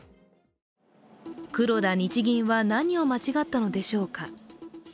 黒田・日銀は何を間違ったのでしょうか？